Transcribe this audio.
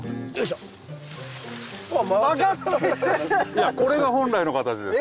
いやこれが本来の形です。